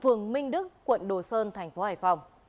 phường minh đức quận đồ sơn tp hcm